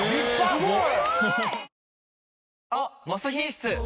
「すごい！」